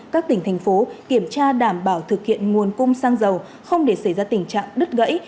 các tỉnh thành phố kiểm tra đảm bảo thực hiện nguồn cung xăng dầu không để xảy ra tình trạng đứt gãy